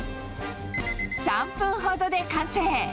３分ほどで完成。